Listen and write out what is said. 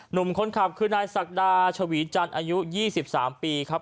หนุ่มคนขับคือนายศักดาชวีจันทร์อายุ๒๓ปีครับ